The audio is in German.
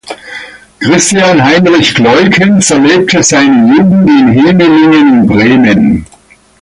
Christian Heinrich Kleukens erlebte seine Jugend in Hemelingen und Bremen.